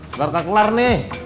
sekarang kakelar nih